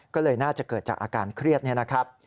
ก็เลยน่าจะเกิดจากอาการเครียดนี่นะครับ